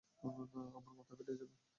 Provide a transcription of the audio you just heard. আমার মাথা ফেটে যাবে।